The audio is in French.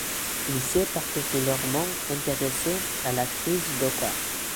Il s’est particulièrement intéressé à la crise d’Oka.